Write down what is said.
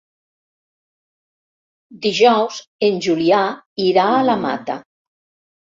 Dijous en Julià irà a la Mata.